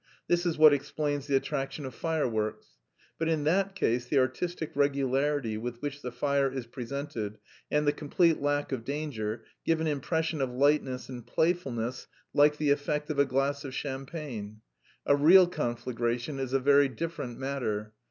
This is what explains the attraction of fireworks. But in that case the artistic regularity with which the fire is presented and the complete lack of danger give an impression of lightness and playfulness like the effect of a glass of champagne. A real conflagration is a very different matter.